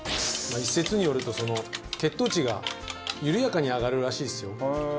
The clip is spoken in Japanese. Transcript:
一説によると血糖値が緩やかに上がるらしいですよ。